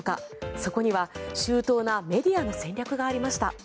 そこには周到なメディアの戦略がありました。